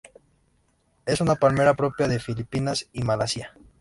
Es una palmera propia de Filipinas y Malasia.